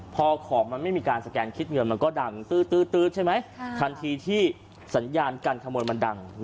พอของมันไม่มีการสแกนคิดเงินมันก็ดังตื้อใช่ไหมทันทีที่สัญญาการขโมยมันดัง